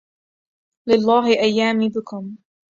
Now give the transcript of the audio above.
لله أيامي بكم